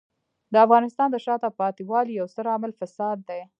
د افغانستان د شاته پاتې والي یو ستر عامل فساد دی.